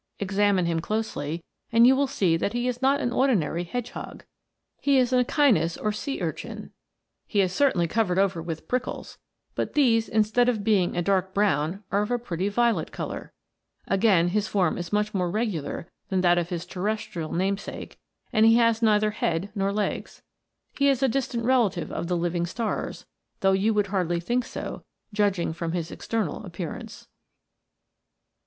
Examine him closely, and you will see that he is not an ordinary hedgehog. He is cer tainly covered over with prickles, but these instead of being of a dark brown are of a pretty violet colour. Again, his form is much more regular than that of his terrestrial namesake, and he has neither head nor legs. He is a distant relative of the living stars, though you would hardly think so, judging from his external appearance.